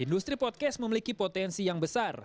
industri podcast memiliki potensi yang besar